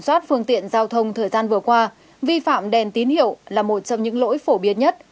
đặc biệt đây cũng chính là nguy cơ dẫn đến nhiều vụ tai nạn